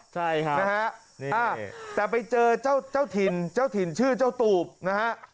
ใช่ค่ะนะฮะแต่ไปเจอเจ้าเจ้าถิ่นเจ้าถิ่นชื่อเจ้าตูบนะฮะ